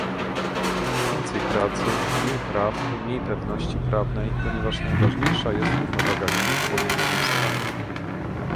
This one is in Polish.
Więcej pracy, mniej praw, mniej pewności prawnej, ponieważ najważniejsza jest równowaga sił pomiędzy państwami